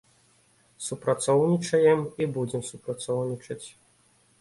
Супрацоўнічаем і будзем супрацоўнічаць.